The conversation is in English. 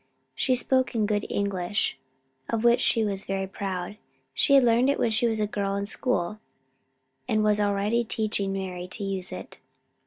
She spoke in good English, of which she was very proud. She had learned it when she was a girl in school, and was already teaching Mari to use it.